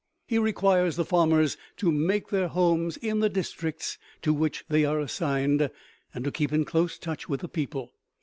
He requires the farmers to make their homes in the districts to which they are assigned, and to keep in close touch with the people.